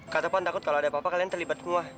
kata opan takut kalau ada apa apa kalian terlibat ke muah